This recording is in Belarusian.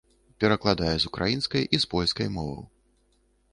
Перакладае з украінскай і з польскай моваў.